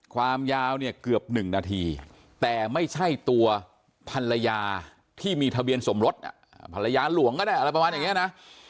ความยาวเนี่ยเกือบ๑นาทีแต่ไม่ใช่ตัวภรรยาที่มีทะเบียนสมรสภรรยาหลวงก็ได้อะไรประมาณอย่างนี้นะ